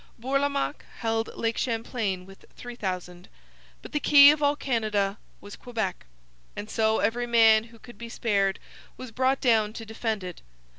Bourlamaque held Lake Champlain with 3,000. But the key of all Canada was Quebec; and so every man who could be spared was brought down to defend it.